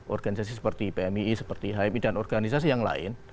organisasi seperti pmii seperti hmi dan organisasi yang lain